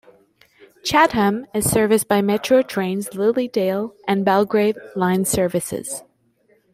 Chatham is serviced by Metro Trains' Lilydale and Belgrave line services.